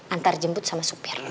antar jemput sama supir